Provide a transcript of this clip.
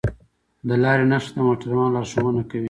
د لارې نښه د موټروان لارښوونه کوي.